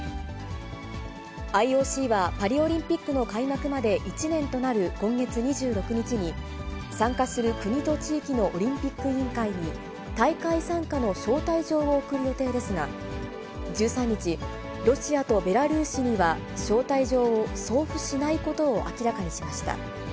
ＩＯＣはパリオリンピックの開幕まで１年となる今月２６日に、参加する国と地域のオリンピック委員会に、大会参加の招待状を送る予定ですが、１３日、ロシアとベラルーシには招待状を送付しないことを明らかにしました。